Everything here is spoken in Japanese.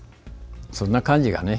そんな感じがね。